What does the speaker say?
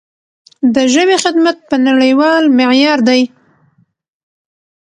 د ژبې خدمت په نړیوال معیار دی.